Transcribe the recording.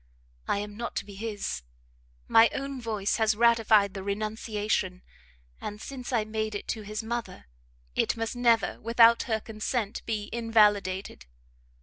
I am not to be his, my own voice has ratified the renunciation, and since I made it to his mother, it must never, without her consent, be invalidated.